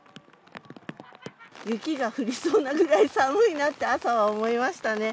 雪が降りそうなぐらい寒いなって朝は思いましたね。